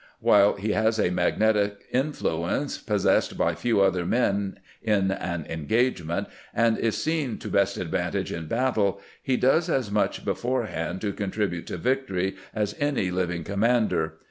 While he has a magnetic influence possessed by few other men in an engagement, and is seen to best advantage in battle, he does as much beforehand to contribute to victory as any living commander.